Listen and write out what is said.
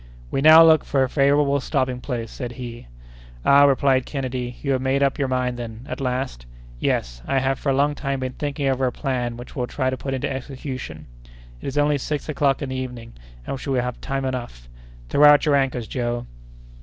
"We'll now look for a favorable stopping place," said he. "Ah!" replied Kennedy, "you have made up your mind, then, at last?" "Yes, I have for a long time been thinking over a plan which we'll try to put into execution; it is only six o'clock in the evening, and we shall have time enough. Throw out your anchors, Joe!"